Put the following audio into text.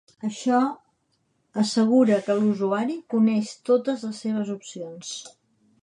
Això assegura que l'usuari coneix totes les seves opcions.